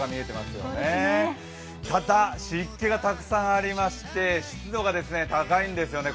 ただ湿気がたくさんありまして、湿度が高いんですよね。